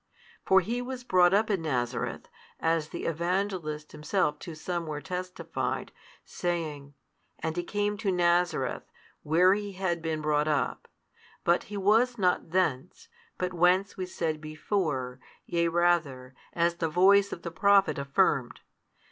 For He was brought up in Nazareth, as the Evangelist himself too somewhere testified, saying, And He came to Nazareth, where He had been brought up; but He was not thence, but whence we said before, yea rather, as the voice of the prophet affirmed.